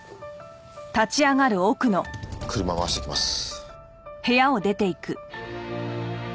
車回してきます。